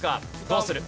どうする？